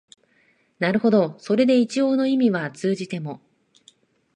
なるほどそれで一応の意味は通じても、